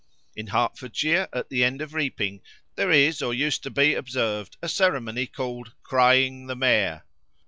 In Hertfordshire, at the end of the reaping, there is or used to be observed a ceremony called "crying the Mare."